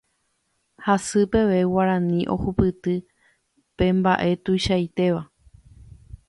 Hasy peve Guarani ohupyty pe mbaʼe tuichaitéva.